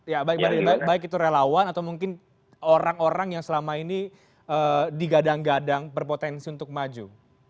ya baik itu relawan atau mungkin orang orang yang selama ini digadang gadang berpotensi untuk maju